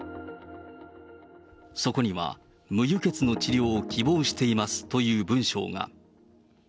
そこには、無輸血の治療を希望していますという文章が。